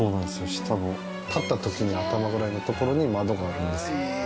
下の立った時に頭ぐらいのところに窓があるんですよ